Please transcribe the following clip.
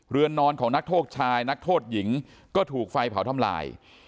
เรือนนอนของนักโทษชายนักโทษหญิงก็ถูกไฟเผาทำลาย